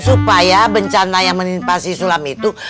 supaya bencana yang menimpa si sulam itu